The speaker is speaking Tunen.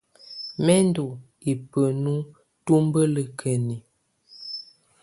Mɛ ndɔ́ ibǝ́nu tubǝ́lǝkǝni.